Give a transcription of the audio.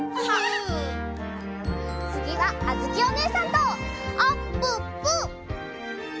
つぎはあづきおねえさんとあっぷっぷ！